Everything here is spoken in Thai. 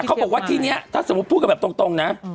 ปุ๊บดีได้เขาบอกว่าที่นี้ถ้าสมมุติพูดแบบตรงนะ